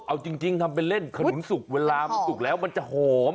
เอาจริงทำเป็นเล่นขนมสุกเวลามันสุกแล้วมันจะหอม